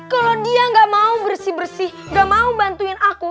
kalo dia ga mau bersih bersih ga mau bantuin aku